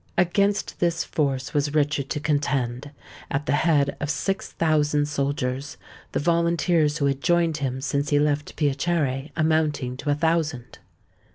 Against this force was Richard to contend, at the head of six thousand soldiers, the volunteers who had joined him since he left Piacere amounting to a thousand.